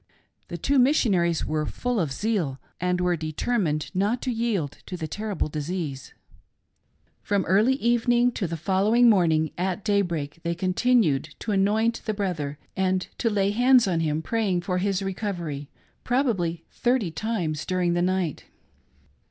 The two Mission aries were full of zeal and were determined not to yield to the DISAPPOINTED EXPECTATIONS. 87 terrible disease ; from early evening to the following morning at daybreak they continued to anoint the brother and to lay hands on him, praying for his recovery probably thirty times during the night.